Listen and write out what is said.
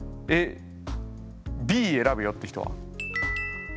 Ｂ選ぶよって人は？